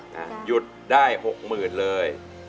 หยุดได้หกหมื่นเลย